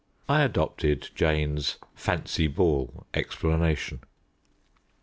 I adopted Jane's "fancy ball" explanation.